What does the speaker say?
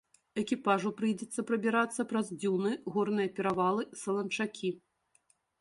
Экіпажу прыйдзецца прабірацца праз дзюны, горныя перавалы, саланчакі.